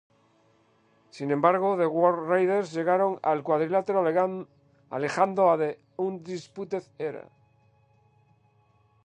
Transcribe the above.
Sin embargo, The War Raiders llegaron al cuadrilátero, alejando a The Undisputed Era.